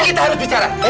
kita harus bicara